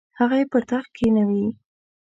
هغه یې پر تخت کښینوي.